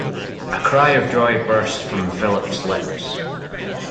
A cry of joy burst from Philip's lips.